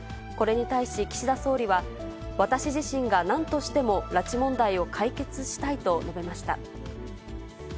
これに対し岸田総理は、私自身がなんとしても拉致問題を解決したいと述べました。